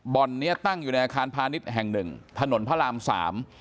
เนี้ยตั้งอยู่ในอาคารพาณิชย์แห่งหนึ่งถนนพระรามสาม